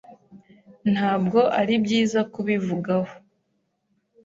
Ntabwo ari byiza kubivugaho.